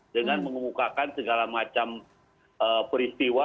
dengan mengemukakan segala macam peristiwa